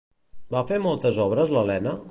Va fer moltes obres l'Elena?